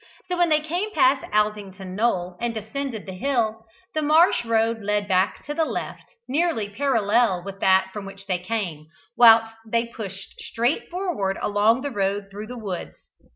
So when they came past Aldington Knoll, and descended the hill, the marsh road led back to the left, nearly parallel with that from which they came, whilst they pushed straight forward along the road through the woods.